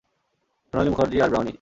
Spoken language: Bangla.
সোনালি মুখার্জি আর ব্রাউনি!